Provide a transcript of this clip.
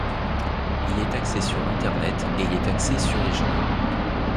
Il est axé sur l'Internet et il est axé sur les gens.